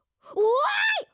おい！